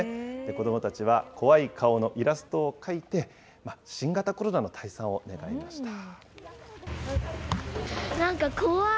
子どもたちは怖い顔のイラストを描いて、新型コロナの退散を願いました。